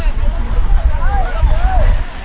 วันนี้เราจะมาจอดรถที่แรงละเห็นเป็น